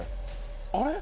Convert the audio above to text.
あれ？